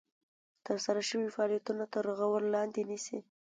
ترسره شوي فعالیتونه تر غور لاندې نیسي.